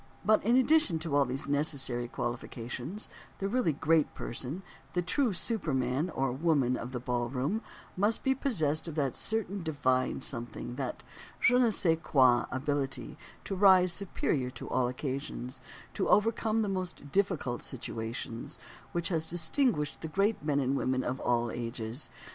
But in addition to all these necessary qualifications the really great person—the true super man or woman of the ballroom—must be possessed of that certain divine something, that je ne sais quoi ability to rise superior to all occasions, to overcome the most difficult situations, which has distinguished the great men and women of all ages.